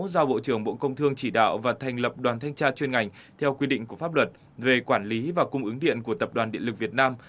giao bộ trưởng bộ công thương chỉ đạo và thành lập đoàn thanh tra chuyên ngành theo quy định của pháp luật về quản lý và cung ứng điện của tập đoàn điện lực việt nam